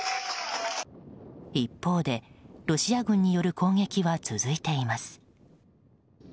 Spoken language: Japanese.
一方で、ロシア軍による攻撃は続いています。